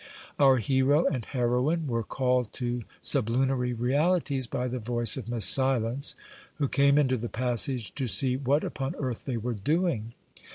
Our hero and heroine were called to sublunary realities by the voice of Miss Silence, who came into the passage to see what upon earth they were doing.